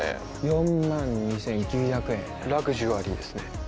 ４万２９００円ラグジュアリーですね。